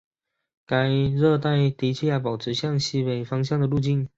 该热带低气压保持向西北方向的路径。